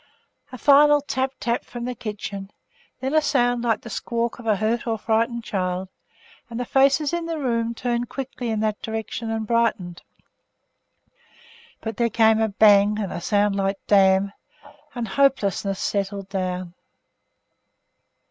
A final 'tap tap' from the kitchen; then a sound like the squawk of a hurt or frightened child, and the faces in the room turned quickly in that direction and brightened. But there came a bang and a sound like 'damn!' and hopelessness settled down.